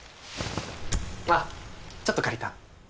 あっちょっと借りた